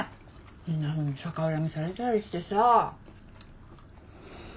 そんなふうに逆恨みされたりしてさ。